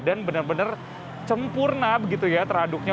dan benar benar sempurna begitu ya teraduknya